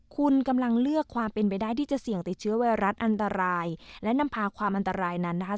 คุณกำลังเลือกความเป็นไปได้ที่จะเสี่ยงติดเชื้อไวรัสอันตรายและนำพาความอันตรายนั้นนะคะ